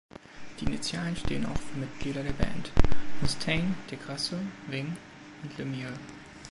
Die Initialen stehen auch für Mitglieder der Band: Mustaine, DeGrasso, Ving und LeMieux.